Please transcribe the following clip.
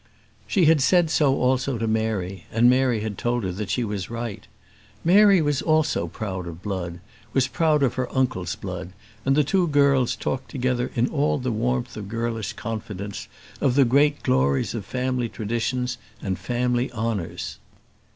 She had said so also to Mary, and Mary had told her that she was right. Mary also was proud of blood, was proud of her uncle's blood, and the two girls talked together in all the warmth of girlish confidence, of the great glories of family traditions and family honours.